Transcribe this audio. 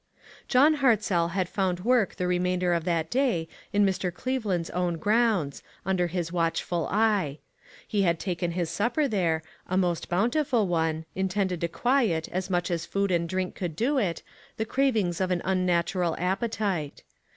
John Hartzell had found work the re mainder of that day in Mr. Cleveland's own grounds, under his watchful eye. He had taken his supper there, a most bountiful one, intended to quiet, as much as food and drink could do it, the cravings of an un natural appetite.